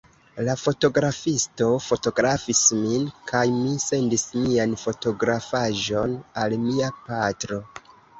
La fotografisto fotografis min, kaj mi sendis mian fotografaĵon al mia patro.